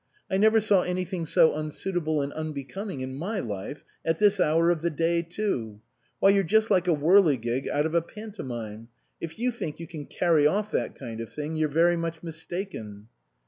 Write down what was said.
I never saw anything so unsuitable and unbecoming in my life at this hour of the day too. Why, you're just like a whirligig out of a pantomime. If you think you can carry off that kind of thing you're very much mistaken."